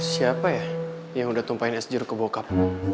siapa ya yang udah tumpahin es jeruk ke bokap